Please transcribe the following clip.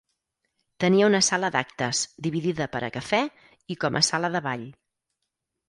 Tenia una sala d'actes, dividida per a cafè i com a sala de ball.